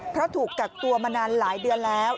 เพราะถูกกักตัวมานานหลายเดือนแล้ว